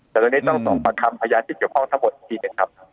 แต่ตัวนี้ต้องผ่านอาญาที่เกี่ยวข้องทั้งหมดจริงครับ